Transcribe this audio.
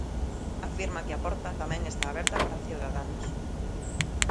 Afirma que a porta tamén está aberta para Ciudadanos.